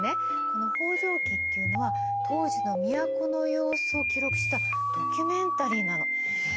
この「方丈記」っていうのは当時の都の様子を記録したドキュメンタリーなの。え！